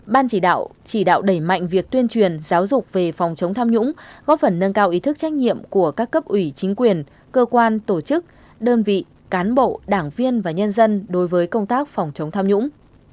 ban chỉ đạo chỉ đạo đẩy mạnh việc tuyên truyền giáo dục về phòng chống tham nhũng góp phần nâng cao ý thức trách nhiệm của các cấp ủy chính quyền cơ quan tổ chức đơn vị cán bộ đảng viên và nhân dân đối với công tác phòng chống tham nhũng